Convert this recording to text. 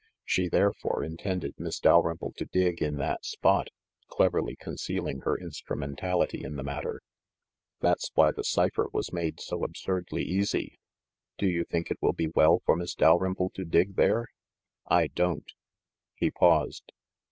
She, therefore, intended Miss Dalrymple to dig in that spot, cleverly concealing her instrumentality in the matter. That's why the cipher was made so absurdly easy. Do you think it will be well for Miss Dalrymple to dig there? I don't." He paused.